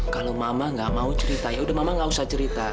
kalau mama nggak mau cerita yaudah mama nggak usah cerita